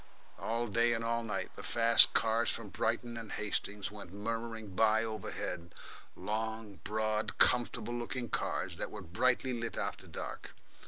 All day and all night the fast cars from Brighton and Hastings went murmuring by overhead long, broad, comfortable looking cars, that were brightly lit after dusk.